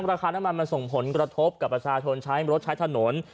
ราคาน้ำมันมันส่งผลกระทบกับประชาชนใช้รถใช้ถนน